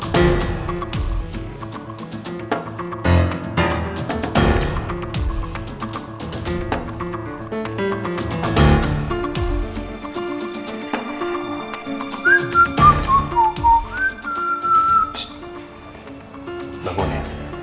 psst bangun ya